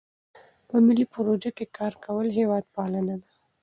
په ملي پروژو کې کار کول هیوادپالنه ده.